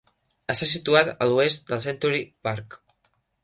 Està situat a l'oest del Century Park.